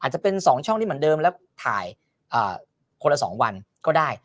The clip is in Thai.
อาจจะเป็นสองช่องที่เหมือนเดิมแล้วถ่ายอ่าคนละสองวันก็ได้